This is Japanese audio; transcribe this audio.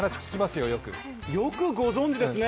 よくご存じですね。